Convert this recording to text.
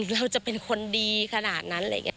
เราจะเป็นคนดีขนาดนั้นอะไรอย่างนี้